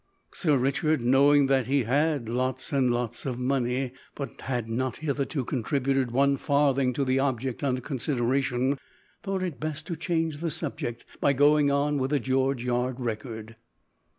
Sir Richard, knowing that he had "lots and lots" of money, but had not hitherto contributed one farthing to the object under consideration, thought it best to change the subject by going on with the George Yard Record.